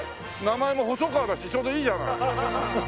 名前も細川だしちょうどいいじゃない。